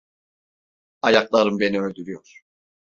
Ayaklarım beni öldürüyor.